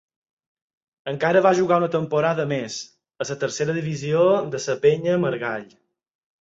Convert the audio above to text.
Encara va jugar una temporada més, a la tercera divisió de la Penya Margall.